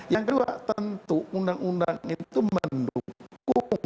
yang kedua tentu undang undang itu mendukung